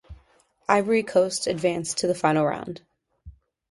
Ivory Coast advanced to the Final Round.